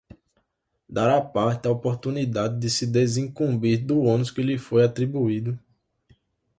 dar à parte a oportunidade de se desincumbir do ônus que lhe foi atribuído.